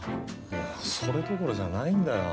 それどころじゃないんだよ。